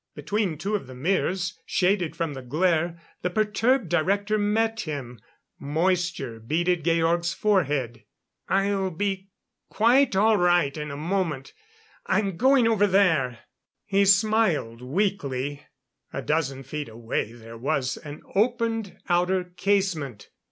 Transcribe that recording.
Between two of the mirrors, shaded from the glare, the perturbed Director met him. Moisture beaded Georg's forehead. "I'll be quite all right in a moment. I'm going over there." He smiled weakly. A dozen feet away there was an opened outer casement.